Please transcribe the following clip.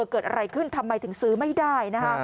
เกิดอะไรขึ้นทำไมถึงซื้อไม่ได้